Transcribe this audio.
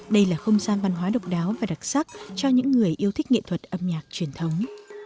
đây là không gian văn hóa độc đáo và đặc sắc cho những người yêu thích nghệ thuật âm nhạc truyền thống